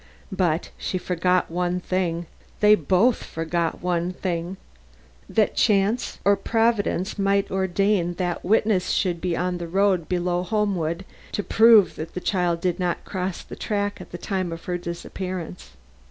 But she forgot one thing they both forgot one thing that chance or Providence might ordain that witnesses should be on the road below Homewood to prove that the child did not cross the track at the time of her disappearance.